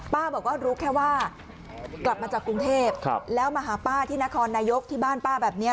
บอกว่ารู้แค่ว่ากลับมาจากกรุงเทพแล้วมาหาป้าที่นครนายกที่บ้านป้าแบบนี้